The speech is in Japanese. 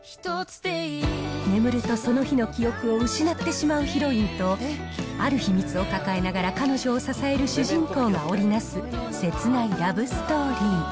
眠るとその日の記憶を失ってしまうヒロインと、ある秘密を抱えながら彼女を支える主人公が織り成す切ないラブス